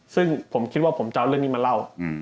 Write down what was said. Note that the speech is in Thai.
ซึ่งผมคิดว่าผมจะเอาเรื่องนี้มาเล่า